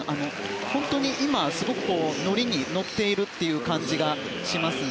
本当にすごくノリに乗っている感じが今、しますね。